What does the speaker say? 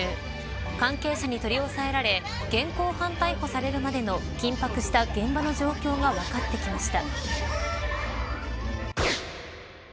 関係者に取り押さえられ現行犯逮捕されるまでの緊迫した現場の状況が分かってきました。